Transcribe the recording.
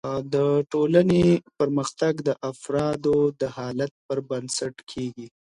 د ټولني پرمختګ د افرادو د حالت پر بنسټ کیږي.